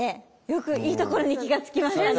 よくいいところに気がつきましたね。